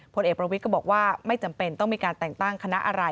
ผลเอกประวิทย์ก็บอกว่าไม่จำเป็นต้องมีการแต่งตั้งคณะอะไร